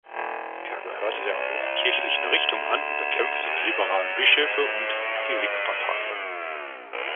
Er gehörte der hochkirchlichen Richtung an und bekämpfte die liberalen Bischöfe und die Whigpartei.